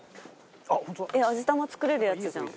味玉作れるやつじゃん。